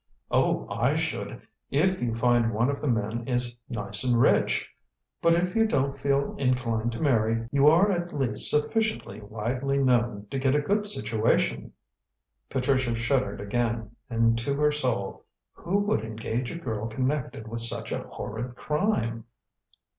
"Oh, I should, if you find one of the men is nice and rich. But if you don't feel inclined to marry, you are at least sufficiently widely known to get a good situation." Patricia shuddered again and to her soul. "Who would engage a girl connected with such a horrid crime?"